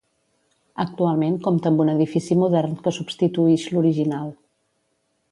Actualment compta amb un edifici modern que substituïx l'original.